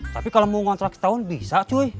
tapi kalau mau ngontrak setahun bisa cuy